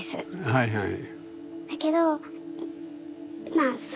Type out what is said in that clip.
はいはい。